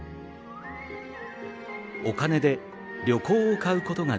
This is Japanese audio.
「お金で旅行を買うことができます。